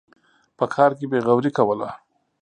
په کار کې بېغوري کوله.